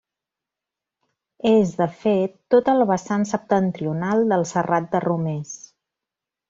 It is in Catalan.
És, de fet, tot el vessant septentrional del Serrat de Romers.